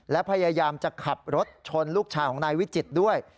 และพยายามจะขับรถชนลูกชายของนายวิจิตรด้วย